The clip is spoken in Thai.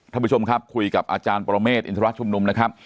ท่านผู้ชมครับคุยกับอาจารย์ปรเมฆอินทรชุมนุมนะครับ